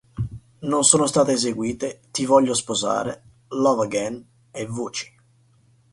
Non sono state eseguite "Ti voglio sposare", "Love again" e "Voci".